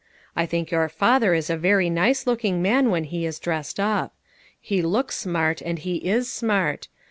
I think your father is a very nice looking man when he is dressed up. He looks smart, and he is smart.